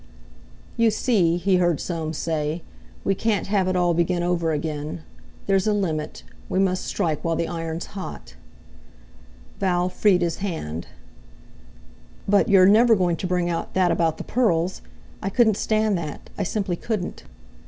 "You see," he heard Soames say, "we can't have it all begin over again. There's a limit; we must strike while the iron's hot." Val freed his hand. "But—you're—never going to bring out that about the pearls! I couldn't stand that—I simply couldn't!"